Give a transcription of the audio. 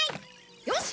よし。